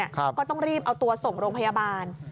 ก็ต้องรีบเอาตัวส่งโรงพยาบาล